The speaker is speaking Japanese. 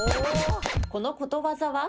このことわざは？